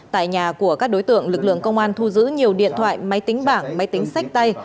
tại nhà của các đối tượng lực lượng công an thu giữ nhiều điện thoại máy tính bảng máy tính sách tay